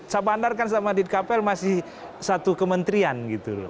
syah bandar kan sama dit kapel masih satu kementerian gitu loh